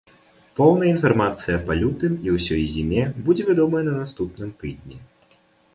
Поўная інфармацыя па лютым і ўсёй зіме будзе вядомая на наступным тыдні.